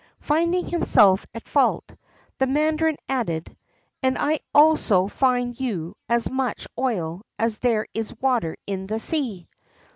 Finding himself at fault, the mandarin added, "And I also fine you as much oil as there is water in the sea."